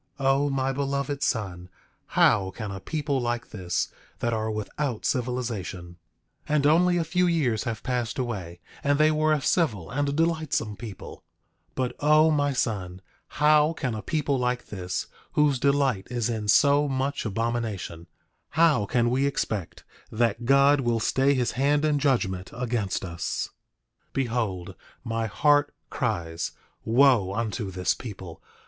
9:11 O my beloved son, how can a people like this, that are without civilization— 9:12 (And only a few years have passed away, and they were a civil and a delightsome people) 9:13 But O my son, how can a people like this, whose delight is in so much abomination— 9:14 How can we expect that God will stay his hand in judgment against us? 9:15 Behold, my heart cries: Wo unto this people.